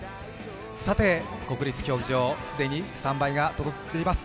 さて、国立競技場、既にスタンバイが整っております。